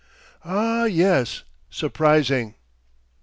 "Ah, yes, surprising!"